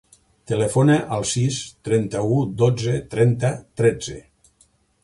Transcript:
Telefona al sis, trenta-u, dotze, trenta, tretze.